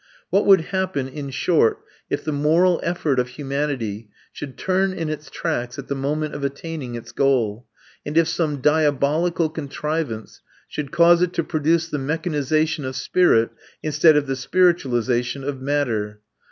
What would happen, in short, if the moral effort of humanity should turn in its tracks at the moment of attaining its goal, and if some diabolical contrivance should cause it to produce the mechanization of spirit instead of the spiritualization of matter?